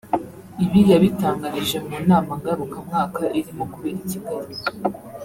Ibi yabitangarije mu nama ngarukamwaka irimo kubera i Kigali